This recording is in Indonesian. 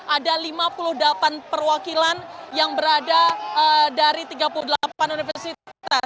ada lima puluh delapan perwakilan yang berada dari tiga puluh delapan universitas